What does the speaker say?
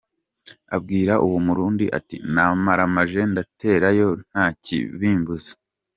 Abwira uwo murundi, ati “Namaramaje ndaterayo ntakibimbuza” .